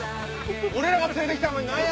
俺らが連れて来たのに何や⁉